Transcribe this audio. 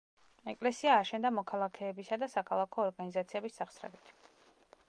ეკლესია აშენდა მოქალაქეებისა და საქალაქო ორგანიზაციების სახსრებით.